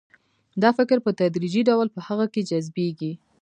دا فکر په تدریجي ډول په هغه کې جذبیږي